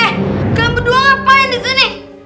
eh kamu berdua ngapain di sini